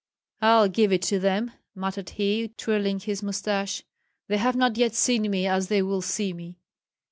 "I'll give it to them!" muttered he, twirling his mustache. "They have not yet seen me as they will see me."